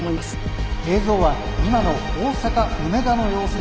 「映像は今の大阪・梅田の様子です。